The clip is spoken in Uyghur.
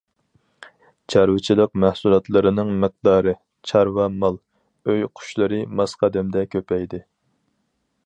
چارۋىچىلىق مەھسۇلاتلىرىنىڭ مىقدارى، چارۋا مال، ئۆي قۇشلىرى ماس قەدەمدە كۆپەيدى.